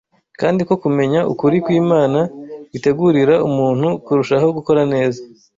kandi ko kumenya ukuri kw’Imana bitegurira umuntu kurushaho gukora neza